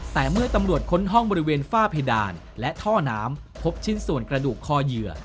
แต่เมื่อตำรวจค้นห้องบริเวณฝ้าเพดานและท่อน้ำพบชิ้นส่วนกระดูกคอเหยื่อ